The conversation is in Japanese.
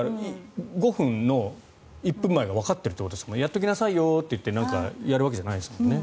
５分の１分前がわかってるってことですからやっておきなさいよと言ってやっておくわけじゃないですもんね。